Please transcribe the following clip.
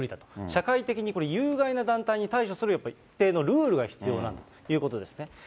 社会的にこれ、有害な団体に対処するルールが必要なんだということですね。